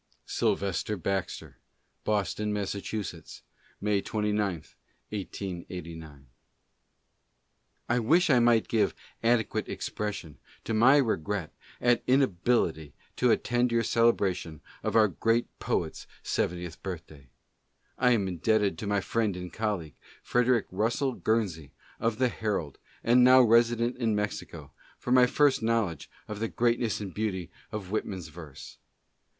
Sylvester Baxter: Boston, Mass., May 29, 1S89. I wish I might give adequate expression to my regret at ina bility to attend your celebration of our great poet's seventieth birthday. I am indebted to my friend and colleague, Frederick Russell Guernsey, of the Herald, and now resident in Mexico, for my first knowledge of the greatness and beauty of Whitman's verse.